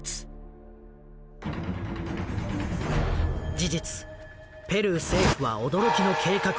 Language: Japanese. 事実ペルー政府は驚きの計画を開始する。